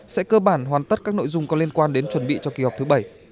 sẽ cơ bản hoàn tất các nội dung có liên quan đến chuẩn bị cho kỳ họp thứ bảy